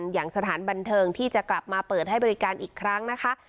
อย่างสถานบันเทิงที่จะกลับมาเปิดให้บริการอีกครั้งนะคะ